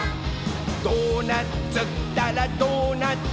「ドーナツったらドーナツ！」